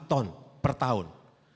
ton per tahun